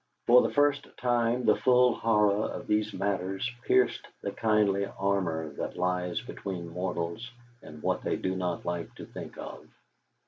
For the first time the full horror of these matters pierced the kindly armour that lies between mortals and what they do not like to think of.